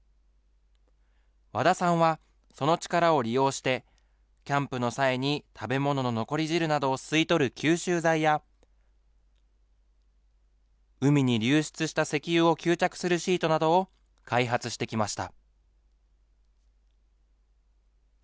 和田さんはその力を利用して、キャンプの際に食べ物の残り汁などを吸い取る吸収剤や、海に流出した石油を吸着するシートなどを開発してきました。